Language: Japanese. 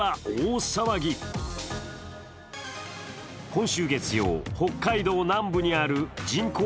今週月曜、北海道南部にある人口